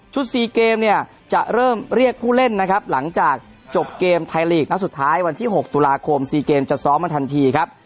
ชุดสี่เกมจะเริ่มเรียกผู้เล่นนะครับหลังจากจบเกมไทยลีกนะครับ